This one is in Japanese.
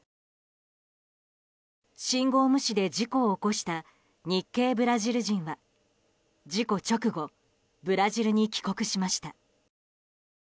信号無視で事故を起こした日系ブラジル人は事故直後ブラジルに帰国しました。